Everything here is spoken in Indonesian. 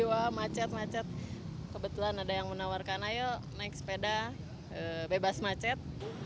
wah macet macet kebetulan ada yang menawarkan ayo naik sepeda bebas macet